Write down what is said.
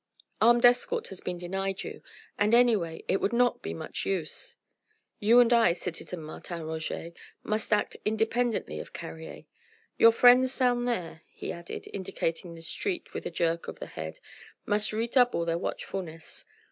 "Armed escort has been denied you, and anyway it would not be much use. You and I, citizen Martin Roget, must act independently of Carrier. Your friends down there," he added, indicating the street with a jerk of the head, "must redouble their watchfulness.